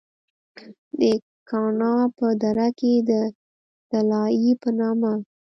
د کاڼا پۀ دره کښې د “دلائي” پۀ نامه